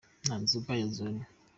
Nta nzoga ya Nzonnyo.